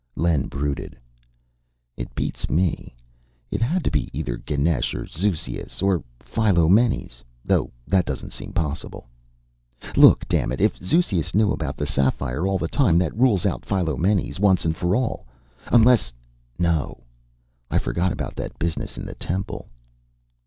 Len brooded. "It beats me. It had to be either Ganesh or Zeuxias. Or Philomenes, though that doesn't seem possible. Look, damn it, if Zeuxias knew about the sapphire all the time, that rules out Philomenes once and for all. Unless no. I forgot about that business in the temple.